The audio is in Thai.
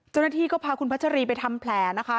เจ้าหน้าที่ก็พาคุณพัชรีไปทำแผลนะคะ